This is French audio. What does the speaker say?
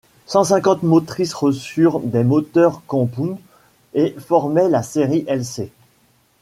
Cent cinquante motrices reçurent des moteurs Compound et formaient la série Lc.